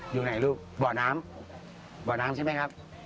อยู่ไหนลูกบ่อน้ำบ่อน้ำใช่ไหมครับ